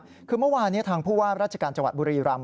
ก็คือเมื่อวานนะครับทางผู้ว่ารัชการบุรีรำ